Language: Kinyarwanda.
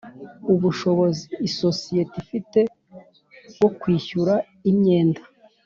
ubushobozi isosiyete ifite bwo kwishyura imyenda